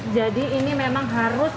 jadi ini memang harus